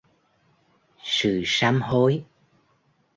sự sám hối